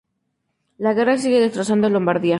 La guerra sigue destrozando Lombardía.